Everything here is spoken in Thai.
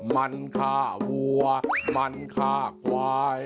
มันฆ่าวัวมันฆ่าควาย